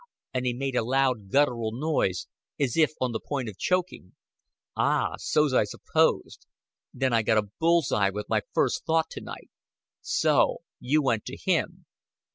And he made a loud guttural noise, as if on the point of choking. "Ah so's I supposed. Then I got a bull's eye with my first thought to night. So you went to him.